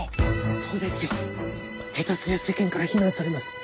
そうですよ下手すりゃ世間から非難されます。